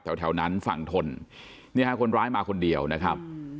แถวนั้นฝั่งทนเนี่ยฮะคนร้ายมาคนเดียวนะครับ